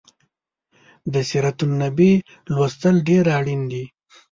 د سیرت النبي لوستل ډیر اړین دي